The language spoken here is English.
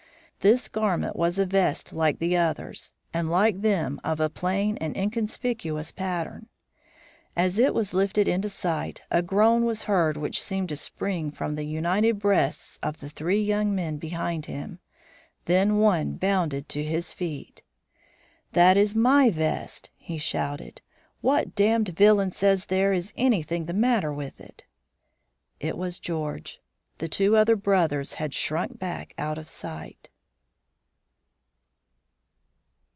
This garment was a vest like the others, and, like them, of a plain and inconspicuous pattern. As it was lifted into sight, a groan was heard which seemed to spring from the united breasts of the three young men behind him. Then one bounded to his feet. "That is my vest," he shouted. "What damned villain says there is anything the matter with it?" It was George. The two other brothers had shrunk back out of sight.